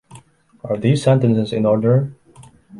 Are the sentences in order?